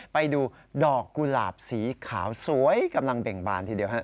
ไปดูดอกกุหลาบสีขาวสวยกำลังเบ่งบานทีเดียวฮะ